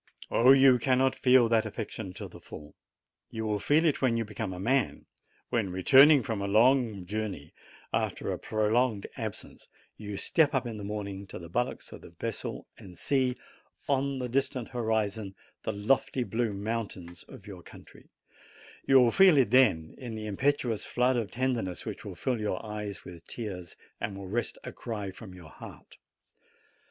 Oh, you cannot feel that affection to the full ! You will feel it when you become a man ; when, returning from a long journey, after a prolonged absence, you step up in the morning to the bulwarks of the vessel and see on the distant horizon the lofty blue mountains of your country; you will feel it then in the impetuous flood of tenderness which will fill your eyes with tears and will wrest a cry from your heart.